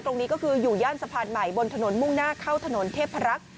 ตรงนี้ก็คืออยู่ย่านสะพานใหม่บนถนนมุ่งหน้าเข้าถนนเทพรักษ์